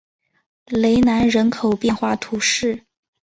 雷南人口变化图示